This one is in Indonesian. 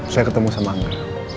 saya ketemu sama angga